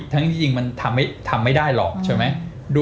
ทั้งที่จริงมันทำไม่ได้หรอกใช่ไหม